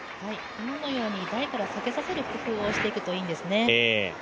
今のように台から避けさせる工夫をしていくといいんですね。